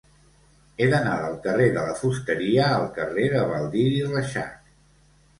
He d'anar del carrer de la Fusteria al carrer de Baldiri Reixac.